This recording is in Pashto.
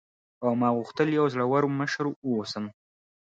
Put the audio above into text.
او ما غوښتل یوه زړوره مشره واوسم.